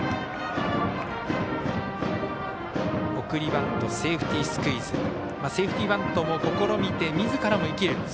送りバントセーフティースクイズセーフティーバントも試みてみずからも生きる。